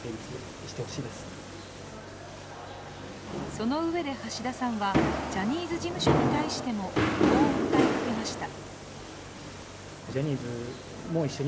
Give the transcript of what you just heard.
そのうえで、橋田さんはジャニーズ事務所に対してもこう訴えかけました。